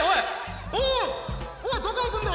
おいどこいくんだ！